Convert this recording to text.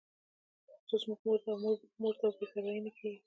پښتو زموږ مور ده او مور ته بې پروايي نه کېږي.